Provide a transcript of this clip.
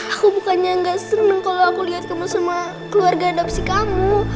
aku bukannya gak seneng kalau aku lihat kamu sama keluarga adapsi kamu